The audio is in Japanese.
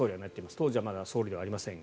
当時はまだ総理ではありませんが。